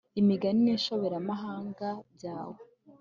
imigani n'inshoberamahanga byawe